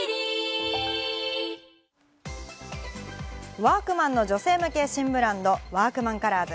ワークマンの女性向け新ブランド・ワークマンカラーズ。